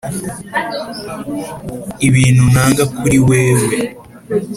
ibintu nanga kuri wewe